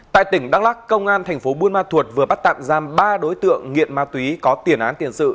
tại tỉnh đắk lắc công an thành phố buôn ma thuột vừa bắt tạm giam ba đối tượng nghiện ma túy có tiền án tiền sự